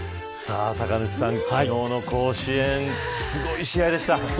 酒主さん、昨日の甲子園すごい試合でした。